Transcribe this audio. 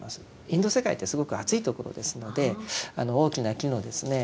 インド世界ってすごく暑いところですので大きな木のですね